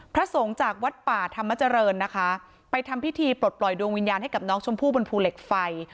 พระสงฆ์จากวัดป่าธรรมเจริญนะคะไปทำพิธีปลดปล่อยดวงวิญญาณให้กับน้องชมพู่บนภูเหล็กไฟ